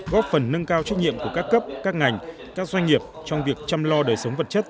góp phần nâng cao trách nhiệm của các cấp các ngành các doanh nghiệp trong việc chăm lo đời sống vật chất